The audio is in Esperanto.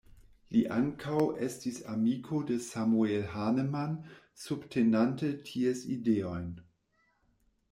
Li ankaŭ estis amiko de Samuel Hahnemann subtenante ties ideojn.